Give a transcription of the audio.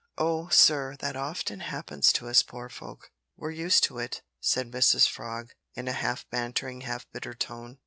"Oh! sir, that often happens to us poor folk. We're used to it," said Mrs Frog, in a half bantering half bitter tone.